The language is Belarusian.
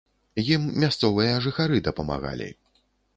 Ім мясцовыя жыхары дапамагалі.